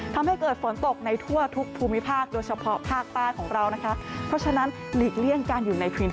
และในส่วนต่อไปมีความร้อนกลับมาอีกครั้ง